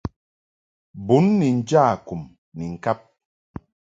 Bun ni nja kum ni ŋkab.